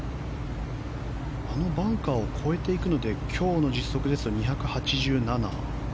あのバンカーを越えていくので今日の実測ですと２８７。